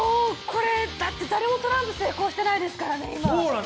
これ、だって、誰もトランプ成功してないですからね、今。